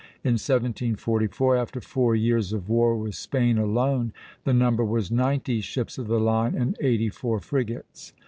In 1744, after four years of war with Spain alone, the number was ninety ships of the line and eighty four frigates.